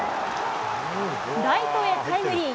ライトへタイムリー。